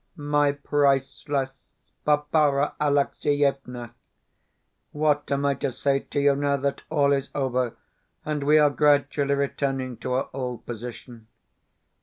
MY PRICELESS BARBARA ALEXIEVNA, What am I to say to you, now that all is over, and we are gradually returning to our old position?